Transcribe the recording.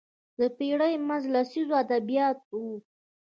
د پېړۍ منځ لسیزو ادبیات وو